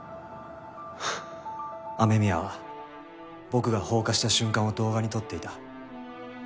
雨宮は僕が放火した瞬間を動画に撮っていた。